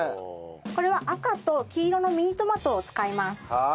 これは赤と黄色のミニトマトを使います。